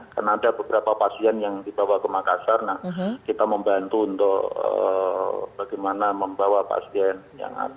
karena ada beberapa pasien yang dibawa ke makassar kita membantu bagaimana membawa pasien yang ada